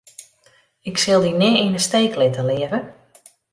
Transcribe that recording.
Ik sil dy nea yn 'e steek litte, leave.